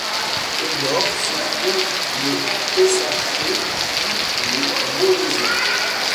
Au nord, se trouvent le Teysachaux puis le Moléson.